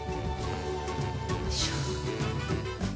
よいしょ。